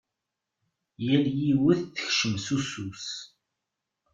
Yal yiwet tekcem s usu-s.